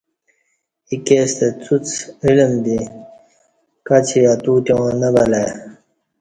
ایکے ستہ اڅوڅ علم دی کچی اتوتیا ں نہ بلہ ای